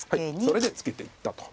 それでツケていったと。